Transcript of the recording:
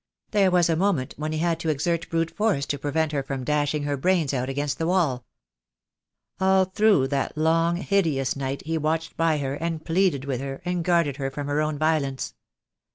There was a moment when he had to exert brute force to prevent her from dashing her brains out against the wall. All through that long, hideous night he watched by her, and pleaded with her, and guarded her from her own violence.